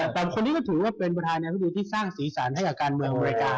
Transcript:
แต่คนนี้ถือเป็นประทานยาสุดที่สร้างสีสันให้การมึงโดยรายการ